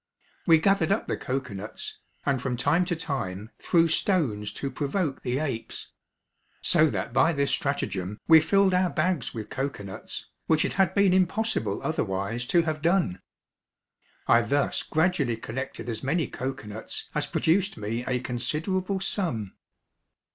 We gathered up the cocoa nuts, and from time to time threw stones to provoke the apes; so that by this stratagem we filled our bags with cocoa nuts, which it had been impossible otherwise to have done. I thus gradually collected as many cocoa nuts as produced me a considerable sum.